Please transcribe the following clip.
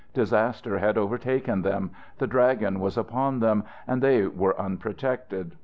Disaster had overtaken them. The Dragon was upon them, and they were unprotected.